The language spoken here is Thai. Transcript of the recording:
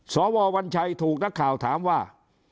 สววัญชัยถูกนักข่าวถามว่า